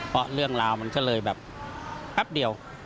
เพราะเรื่องราวมันก็เลยแบบแป๊บเดียว